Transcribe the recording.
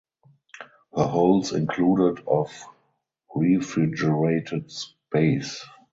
Her holds included of refrigerated space.